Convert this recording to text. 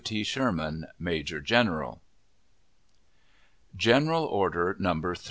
T. SHERMAN, Major General. [General Order No. 3.